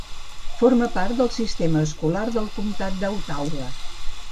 Forma part del sistema escolar del comtat d'Autauga.